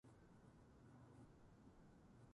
パソコンの調子が悪くなってきた。